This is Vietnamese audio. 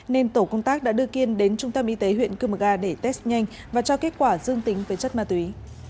nên tổ công tác đã đưa kiên đến trung tâm y tế huyện cư mờ ga để test nhanh và cho kết quả dương tính với chất ma túy